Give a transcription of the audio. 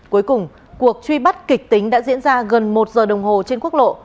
cuối cùng cuộc truy bắt kịch tính đã diễn ra gần một giờ đồng hồ trên quốc lộ